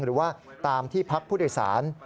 หรือว่าตามที่พักผู้โดยสาร